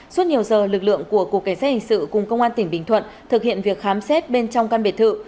suốt nhiều giờ lực lượng của cục cảnh sát hình sự cùng công an tỉnh bình thuận thực hiện việc khám xét bên trong căn biệt thự